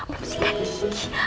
mesti kan dihiki